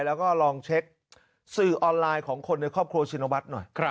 แล้วก็ลองเช็คสื่อออนไลน์ของคนในครอบครัวชินวัฒน์หน่อย